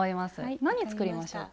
何作りましょうか？